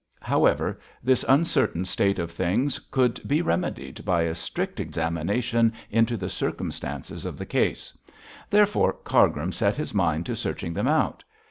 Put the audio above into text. However, this uncertain state of things could be remedied by a strict examination into the circumstances of the case; therefore Cargrim set his mind to searching them out.